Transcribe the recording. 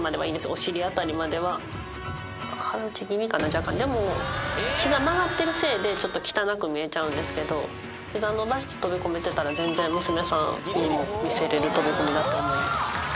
お尻辺りまでは腹打ち気味かな若干でも膝曲がってるせいでちょっと汚く見えちゃうんですけど膝伸ばして飛び込めてたら全然娘さんにも見せれる飛び込みだと思います